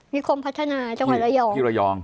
นิคมพัฒนาจังหวัดระยอง